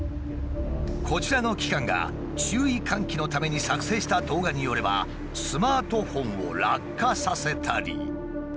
こちらの機関が注意喚起のために作成した動画によればスマートフォンを落下させたり。